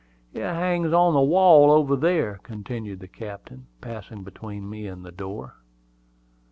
It hangs on the wall over here," continued the captain, passing between me and the door.